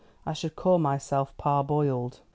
I should call myself parboiled."